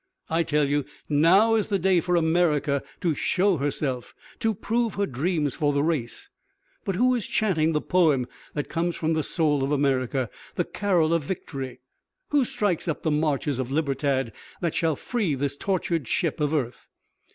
I tell you, now is the day for America to show herself, to prove her dreams for the race. But who is chanting the poem that comes from the soul of America, the carol of victory? Who strikes up the marches of Libertad that shall free this tortured ship of earth?